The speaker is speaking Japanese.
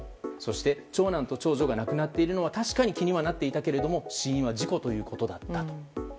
そして、長男と長女が亡くなっているのは確かに気にはなっていたけれども死因は事故ということだった。